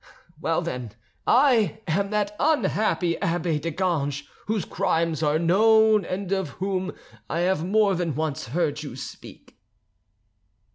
Well, then, I am that unhappy abbe de Ganges whose crimes are known and of whom I have more than once heard you speak."